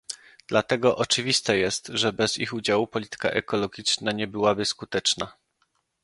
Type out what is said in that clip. Dlatego oczywiste jest, że bez ich udziału polityka ekologiczna nie byłaby skuteczna